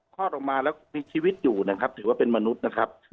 คลอดออกมาแล้วมีชีวิตอยู่นะครับถือว่าเป็นมนุษย์นะครับ